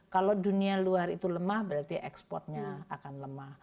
kalau dunia luar itu lemah berarti ekspornya akan lemah